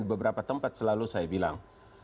di beberapa tempat selalu saya bilang